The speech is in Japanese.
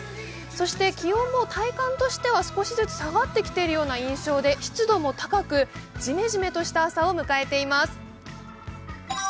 そして、気温も体感としては少しずつ下がってきている印象で、湿度も高く、じめじめとした朝を迎えています。